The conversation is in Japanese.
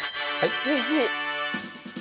うれしい！